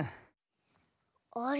あれ？